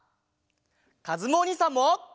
かずむおにいさんも！